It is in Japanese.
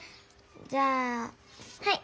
じゃあはい。